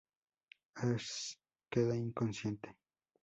Ash queda inconsciente.